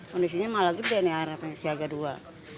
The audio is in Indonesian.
kondisinya malah gede nih arahnya siaga dua